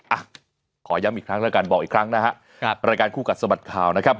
อ่ะขอย้ำอีกครั้งแล้วกันบอกอีกครั้งนะฮะครับรายการคู่กัดสะบัดข่าวนะครับ